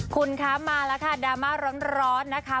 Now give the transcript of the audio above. คุณคะมาแล้วค่ะดราม่าร้อนนะคะ